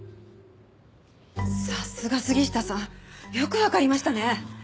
さすが杉下さんよくわかりましたね。